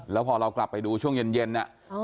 แล้วพอเรากลับไปดูช่วงเย็นเนี่ย